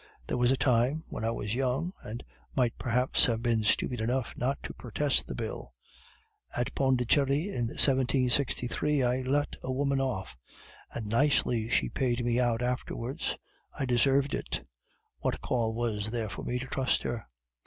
There was a time, when I was young, and might perhaps have been stupid enough not to protest the bill. At Pondicherry, in 1763, I let a woman off, and nicely she paid me out afterwards. I deserved it; what call was there for me to trust her?